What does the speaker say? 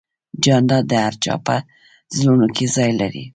جانداد د هر چا په زړونو کې ځای لري.